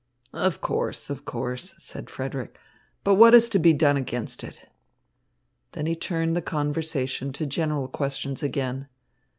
"Of course, of course," said Frederick, "but what is to be done against it?" Then he turned the conversation to general questions again.